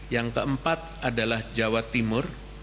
yang keempat adalah jawa timur